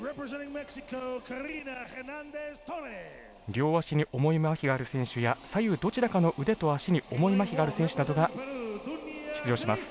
両足に重いまひがある選手や左右どちらかの腕と足に重いまひがある選手などが出場します。